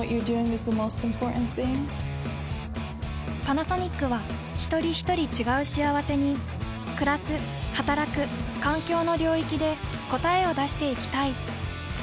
パナソニックはひとりひとり違う幸せにくらすはたらく環境の領域で答えを出していきたい。